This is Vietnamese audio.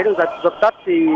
được dập tắt